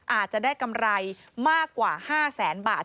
อาจจะได้กำไรมากกว่า๕แสนบาท